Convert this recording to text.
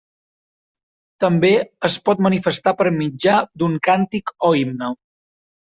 També es pot manifestar per mitjà d'un càntic o himne.